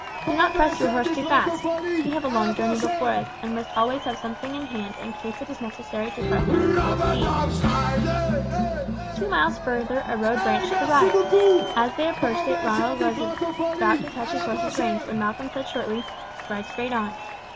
Do not press your horse too fast. We have a long journey before us, and must always have something in hand in case it is necessary to press them to full speed." Two miles further a road branched to the right. As they approached it Ronald was about to touch his horse's rein, when Malcolm said shortly, "Ride straight on."